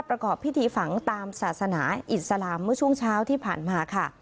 ประกอบพิธีฝังตามศาสนาอิสลามเมื่อช่วงเช้าที่ผ่านมาค่ะ